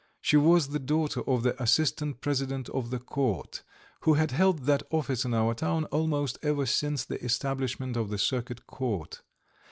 She was the daughter of the Assistant President of the Court, who had held that office in our town almost ever since the establishment of the circuit court.